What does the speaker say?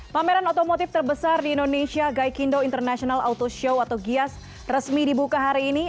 pameran otomotif terbesar di indonesia gaikindo international auto show atau gias resmi dibuka hari ini